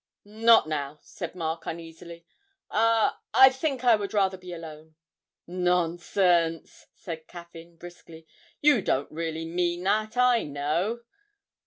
'Not now,' said Mark uneasily; 'I I think I would rather be alone.' 'Nonsense!' said Caffyn briskly; 'you don't really mean that, I know.